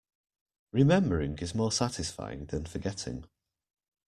Remembering is more satisfying than forgetting.